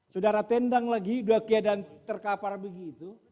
saudara tendang lagi sudah keadaan terkapar begitu